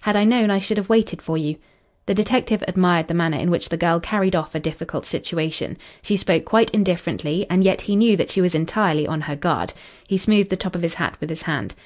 Had I known, I should have waited for you." The detective admired the manner in which the girl carried off a difficult situation. She spoke quite indifferently, and yet he knew that she was entirely on her guard. He smoothed the top of his hat with his hand.